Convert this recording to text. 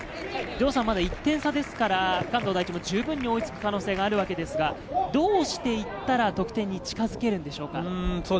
まだ１点差ですから関東第一も十分に追いつく可能性があるわけですが、どうしていったら得点に近づけるんでしょうか？